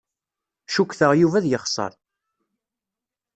Cukkteɣ Yuba ad yexṣer.